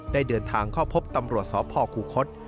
ได้เดินทางเข้าพบตำรวจสพคูคศ